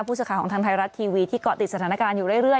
ผู้สื่อข่าวของทางไทยรัฐทีวีที่เกาะติดสถานการณ์อยู่เรื่อย